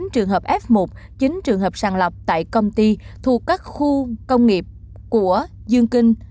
chín trường hợp f một chín trường hợp sàng lọc tại công ty thuộc các khu công nghiệp của dương kinh